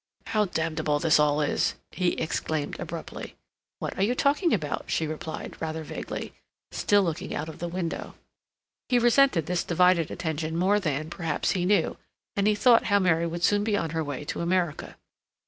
"How damnable this all is!" he exclaimed abruptly. "What are you talking about?" she replied, rather vaguely, still looking out of the window. He resented this divided attention more than, perhaps, he knew, and he thought how Mary would soon be on her way to America.